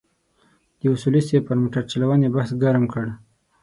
د اصولي صیب پر موټرچلونې بحث ګرم کړ.